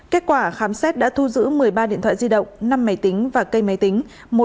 kết quả khám xét đã thu giữ một mươi ba điện thoại di động năm máy tính và cây máy tính